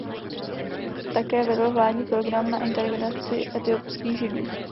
Také vedl vládní program na integraci etiopských Židů.